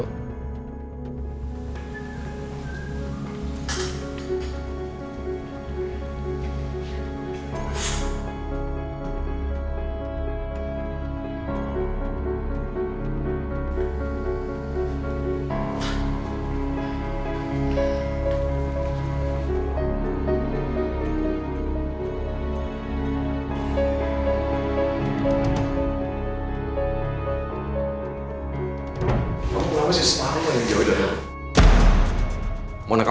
kamu mau apa sih sama raja udara